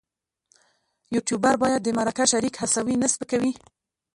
یوټوبر باید د مرکه شریک هڅوي نه سپکوي.